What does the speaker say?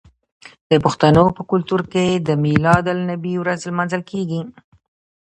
د پښتنو په کلتور کې د میلاد النبي ورځ لمانځل کیږي.